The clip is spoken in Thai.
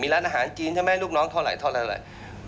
มีร้านอาหารจีนใช่ไหมลูกน้องเท่าไหร่เท่าไหร่เท่าไหร่